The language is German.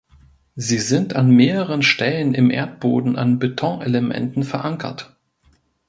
Sie sind an mehreren Stellen im Erdboden an Betonelementen verankert.